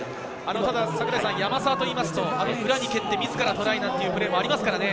ただ山沢といいますと、裏に蹴って、自らトライなんていうプレーもありますからね。